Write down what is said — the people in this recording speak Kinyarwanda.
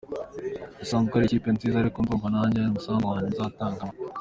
Isanzwe ari ikipe nziza ariko ubu ndumva nanjye hari umusanzu wanjye nzatangamo.